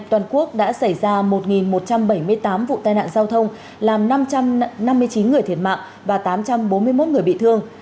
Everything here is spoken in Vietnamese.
toàn quốc đã xảy ra một một trăm bảy mươi tám vụ tai nạn giao thông làm năm trăm năm mươi chín người thiệt mạng và tám trăm bốn mươi một người bị thương